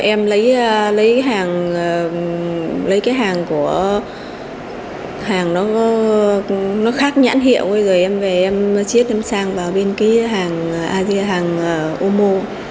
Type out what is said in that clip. em lấy cái hàng của hàng nó khác nhãn hiệu rồi em về em chiếc em sang vào bên cái hàng asia hàng omo